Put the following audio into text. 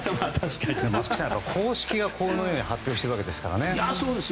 松木さん公式がこのように発表してるんですからね。